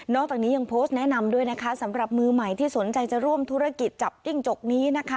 จากนี้ยังโพสต์แนะนำด้วยนะคะสำหรับมือใหม่ที่สนใจจะร่วมธุรกิจจับจิ้งจกนี้นะคะ